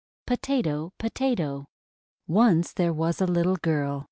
POTATO! POTATO! New Tale ONCE there was a little girl.